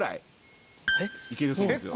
行けるそうなんですよ。